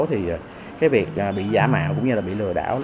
thì cái việc bị giả mạo cũng như là bị lừa đảo